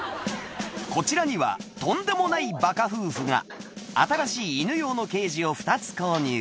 こちらにはとんでもないバカ夫婦が新しい犬用のケージを２つ購入